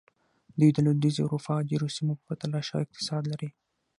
دوی د لوېدیځې اروپا ډېرو سیمو په پرتله ښه اقتصاد لري.